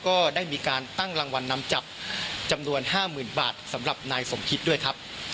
ก็ได้มีการตั้งรางวัลนำจับจำนวน๕๐๐๐บาทสำหรับนายสมคิดด้วยครับ